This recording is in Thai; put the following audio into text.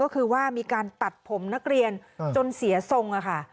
ก็คือว่ามีการตัดผมนักเรียนจนเสียทรงค่ะ